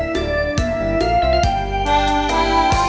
ขอบคุณครับ